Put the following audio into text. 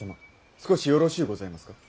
少しよろしうございますか？